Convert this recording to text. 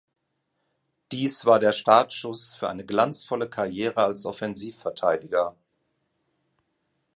Dies war der Startschuss für eine glanzvolle Karriere als Offensiv-Verteidiger.